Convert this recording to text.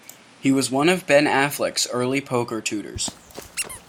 He was one of Ben Affleck's early poker tutors.